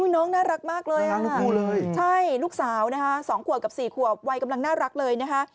น้องน่ารักมากเลยใช่ลูกสาวนะคะ๒ขวบกับ๔ขวบวัยกำลังน่ารักเลยนะคะ